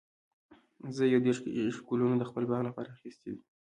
زه یو دیرش ګلونه د خپل باغ لپاره اخیستي دي.